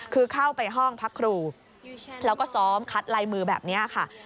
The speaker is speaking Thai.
คือเข้าไปห้องพักครูแล้วก็ซ้อมคัดลายมือแบบนี้ค่ะ